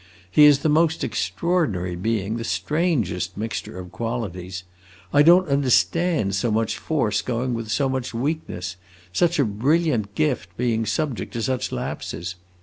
He is the most extraordinary being, the strangest mixture of qualities. I don't understand so much force going with so much weakness such a brilliant gift being subject to such lapses.